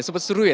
sempat seru ya